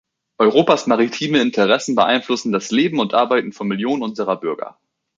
Europas maritime Interessen beeinflussen das Leben und Arbeiten von Millionen unserer Bürger.